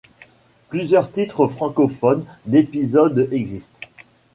Plusieurs titres francophones d'épisodes existent.